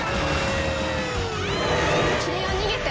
君は逃げて！